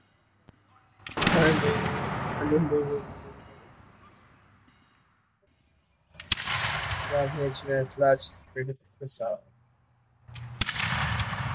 "Salvia argentea" has a large spread of basal leaves that measure wide and high.